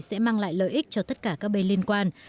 sẽ mang lại lợi ích cho tất cả các bên liên quan